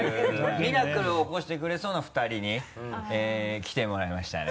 ミラクル起こしてくれそうな２人に来てもらいましたね。